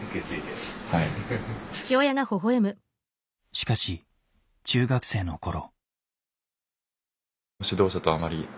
しかし中学生のころ。